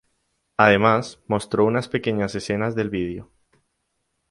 Además, mostró unas pequeñas escenas del vídeo.